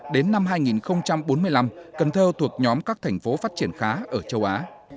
đến năm hai nghìn bốn mươi năm cần thơ thuộc nhóm các thành phố phát triển khá ở châu á